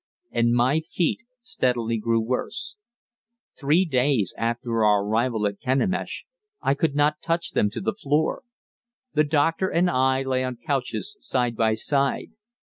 And my feet steadily grew worse. Three days after our arrival at Kenemish I could not touch them to the floor. The doctor and I lay on couches side by side.